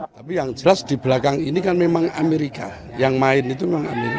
saya tidak senang kalau sampai syariah tegak di bangsa ini